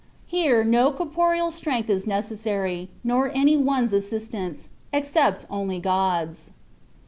Here no corporeal strength is necessary, nor any one's assistance — except only God's.